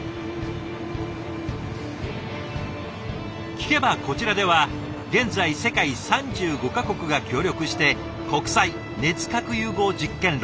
聞けばこちらでは現在世界３５か国が協力して国際熱核融合実験炉